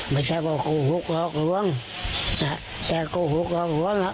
ไม่ใช่ว่าโกหกหลอกหลวงอ่าแต่โกหกหลอกหลวงอ่ะ